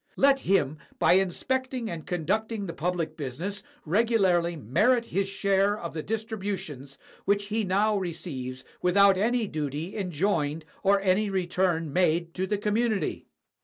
Let him, by inspecting and conducting the public business, regu larly merit his share of the distributions which he now receives without any duty enjoined or any return made to the community.